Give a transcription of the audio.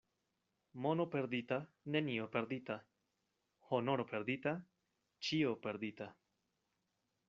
Mono perdita, nenio perdita; honoro perdita, ĉio perdita.